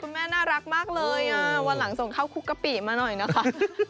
แม่น่ารักมากเลยวันหลังส่งเข้าคุกกะปิมาหน่อยนะคะ